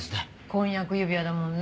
婚約指輪だもんね。